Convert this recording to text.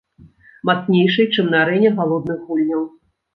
Мацнейшай, чым на арэне галодных гульняў.